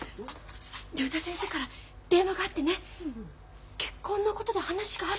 竜太先生から電話があってね「結婚のことで話がある」